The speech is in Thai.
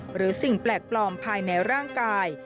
หรือสิ่งแปลกปลอมภายในร่างกาย